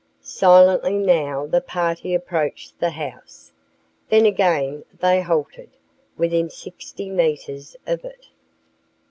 Silently now the party approached the house, then again they halted, within sixty metres of it.